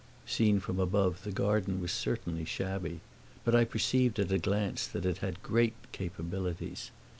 Seen from above the garden was certainly shabby; but I perceived at a glance that it had great capabilities.